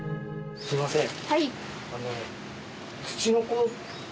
すいません。